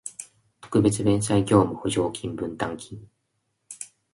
特別弁済業務保証金分担金